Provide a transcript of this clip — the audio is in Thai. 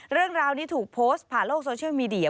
เรื่องราวนี้ถูกโพสต์ผ่านโลกโซเชียลมีเดีย